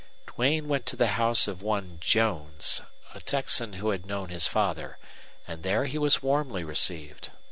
Duane went to the house of one Jones, a Texan who had known his father, and there he was warmly received.